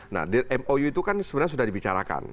nah di mou itu kan sebenarnya sudah dibicarakan